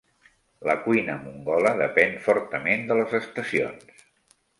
La cuina mongola depèn fortament de les estacions.